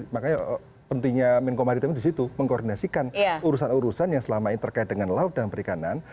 makanya pentingnya menko maritim disitu mengkoordinasikan urusan urusan yang selama ini terkait dengan laut dan perikanan